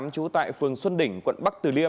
chú tại phường xuân đỉnh quận bắc từ liêm